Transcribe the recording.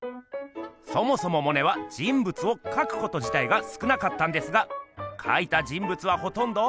そもそもモネは人物をかくことじたいがすくなかったんですがかいた人物はほとんど。